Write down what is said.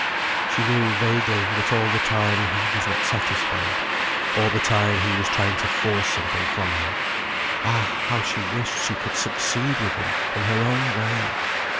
She knew, vaguely, that all the time he was not satisfied, all the time he was trying to force something from her. Ah, how she wished she could succeed with him, in her own way!